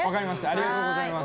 ありがとうございます。